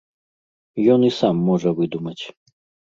Ён і сам можа выдумаць.